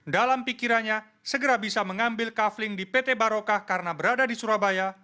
dalam pikirannya segera bisa mengambil kafling di pt barokah karena berada di surabaya